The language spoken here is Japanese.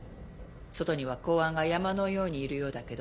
外には公安が山のようにいるようだけど。